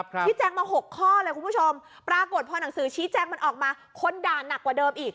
ชี้แจงมาหกข้อเลยคุณผู้ชมปรากฏพอหนังสือชี้แจงมันออกมาคนด่านักกว่าเดิมอีก